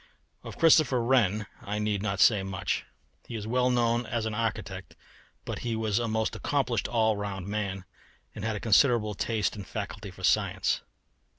Of Christopher Wren I need not say much. He is well known as an architect, but he was a most accomplished all round man, and had a considerable taste and faculty for science.